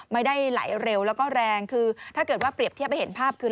ไม่ได้ไหลเร็วแล้วก็แรงคือถ้าเกิดว่าเปรียบเทียบให้เห็นภาพคือ